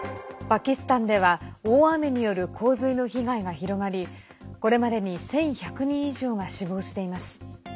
パキスタンでは大雨による洪水の被害が広がりこれまでに１１００人以上が死亡しています。